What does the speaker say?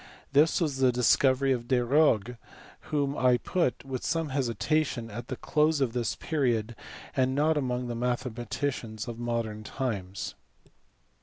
This was the discovery of Desargues whom I put (with some hesitation) at the close of this period, and not among the mathematicians of modern times.